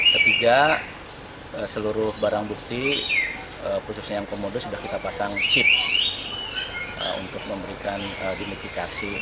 ketiga seluruh barang bukti khususnya yang komodo sudah kita pasang chip untuk memberikan di mitifikasi